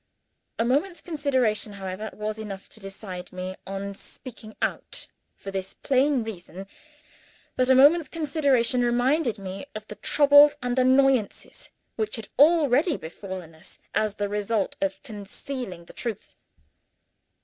A moment's consideration, however, was enough to decide me on speaking out for this plain reason, that a moment's consideration reminded me of the troubles and annoyances which had already befallen us as the result of concealing the truth.